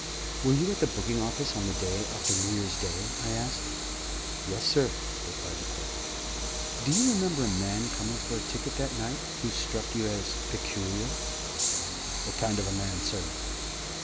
"Were you at the booking office on the day after New Year's Day?" I asked. "Yes, sir," replied the clerk. "Do you remember a man coming for a ticket that night who struck you as peculiar?" "What kind of a man, sir?"